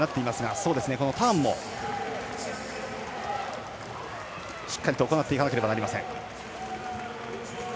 ターンもしっかりと行っていかなければなりません。